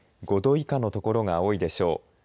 ５度以下の所が多いでしょう